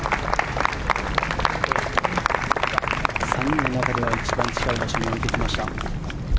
３人の中では一番近い場所に置いてきました。